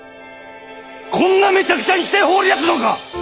こんなめちゃくちゃにして放り出すのか！